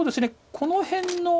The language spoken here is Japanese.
この辺の。